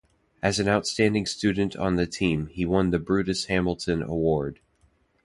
As an outstanding student on the team, he won the Brutus Hamilton Award.